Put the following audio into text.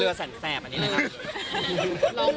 เรือแสงแทบอันนี้นะครับ